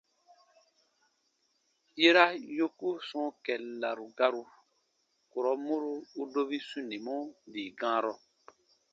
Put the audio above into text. Yera yoku sɔ̃ɔ kɛllaru garu, kurɔ mɔro u dobi sunimɔ dii gãarɔ.